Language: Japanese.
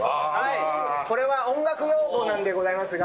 これは音楽用語なんでございますが。